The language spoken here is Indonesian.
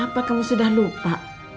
apa kamu sudah lupa